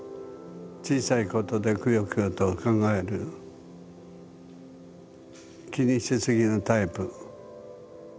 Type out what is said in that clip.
小さいことでくよくよと考える気にしすぎのタイプ。